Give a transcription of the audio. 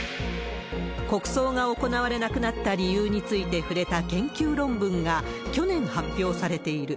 国葬が行われなくなった理由について触れた研究論文が去年発表されている。